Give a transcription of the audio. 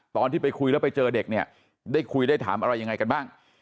ตอนที่ไปคุยแล้วไปเจอเด็กเนี่ยได้คุยได้ถามอะไรยังไงกันบ้าง